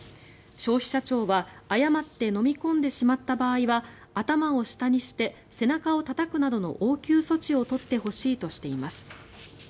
消費者庁は誤って飲み込んでしまった場合は頭を下にして背中をたたくなどの応急措置を取ってほしいとしています。